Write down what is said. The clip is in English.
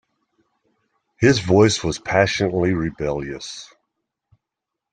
His voice was passionately rebellious.